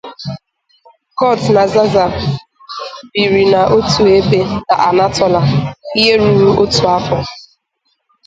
Kurds and Zazas have for centuries lived in the same areas in Anatolia.